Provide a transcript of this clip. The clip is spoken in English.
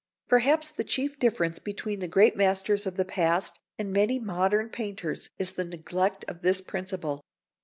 Perhaps the chief difference between the great masters of the past and many modern painters is the neglect of this principle.